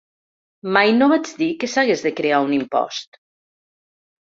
Mai no vaig dir que s’hagués de crear un impost.